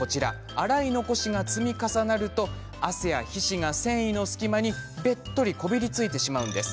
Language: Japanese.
洗い残しが積み重なると汗や皮脂が繊維の隙間にべっとりこびりついてしまうんです。